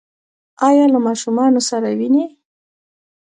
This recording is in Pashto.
ایا له ماشومانو سره وینئ؟